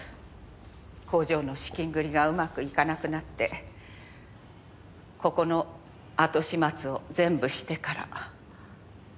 工場の資金繰りがうまくいかなくなってここの後始末を全部してから。